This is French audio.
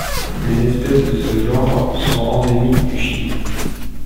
Les espèces de ce genre sont endémiques du Chili.